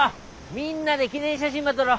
みんなで記念写真ば撮ろ。